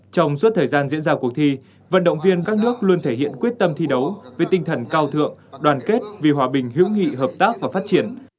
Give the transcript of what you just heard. trong suốt thời gian diễn ra cuộc thi vận động viên các nước luôn thể hiện quyết tâm thi đấu với tinh thần cao thượng đoàn kết vì hòa bình hữu nghị hợp tác và phát triển